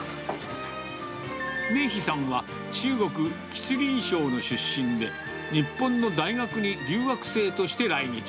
明姫さんは中国・吉林省の出身で、日本の大学に留学生として来日。